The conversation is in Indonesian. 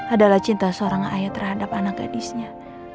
adalah cinta seorang ayah terhadap anak gadisnya